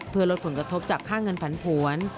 เพื่อลดผลกระทบจากค่าเงินผันผวน